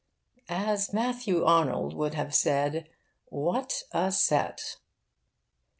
As Matthew Arnold would have said, 'What a set!